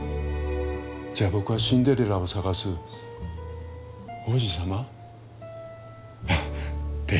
じゃ僕はシンデレラを捜す王子様？って。